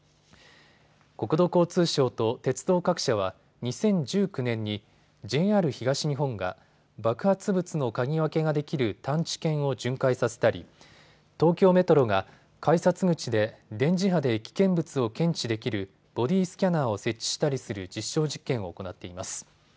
国土交通省と鉄道各社は２０１９年にＪＲ東日本が爆発物の嗅ぎ分けができる探知犬を巡回させたり東京メトロが改札口で電磁波で危険物を検知できるボディースキャナーを設置したりする実証実験を行っています。